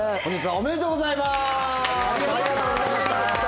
ありがとうございます。